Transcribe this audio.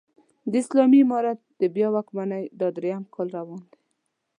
د اسلامي امارت د بيا واکمنۍ دا درېيم کال روان دی